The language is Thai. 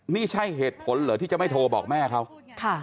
นี่ใช่เหตุผลเหรอที่จะไม่โทรบอกแม่เขาค่ะ